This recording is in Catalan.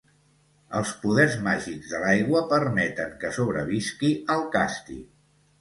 Els poders màgics de l'aigua permeten que sobrevisqui al càstig.